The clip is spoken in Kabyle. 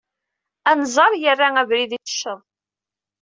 Anẓar yerra abrid yettecceḍ.